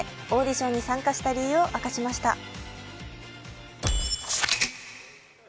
オーディションに参加した理由を明かしました。